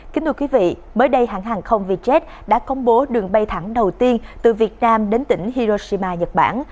kính thưa quý vị mới đây hãng hàng không vietjet đã công bố đường bay thẳng đầu tiên từ việt nam đến tỉnh hiroshima nhật bản